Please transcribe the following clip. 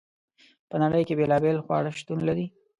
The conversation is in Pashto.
په نړۍ کې بیلابیل خواړه شتون لري.